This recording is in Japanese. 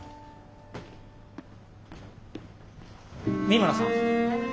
三村さん。